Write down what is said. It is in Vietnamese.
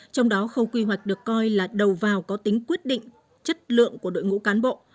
trong đó khâu quy hoạch được coi là đầu vào có tính quyết định chất lượng của đội ngũ cán bộ